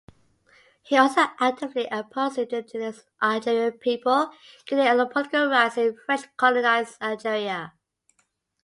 He also actively opposed indigenous Algerian people getting any political rights in French-colonized Algeria.